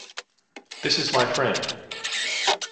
This is my friend.